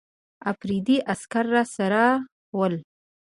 افریدي عسکر راسره ول.